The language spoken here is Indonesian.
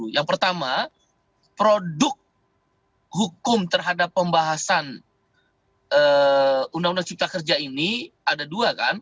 yang pertama produk hukum terhadap pembahasan umkm ini ada dua kan